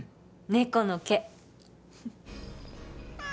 猫の毛